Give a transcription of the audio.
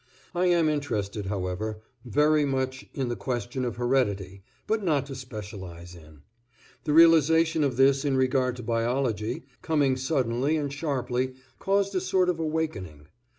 I am interested, however, very much in the question of heredity, but not to specialize in. The realization of this in regard to biology, coming suddenly and sharply, caused a sort of awakening.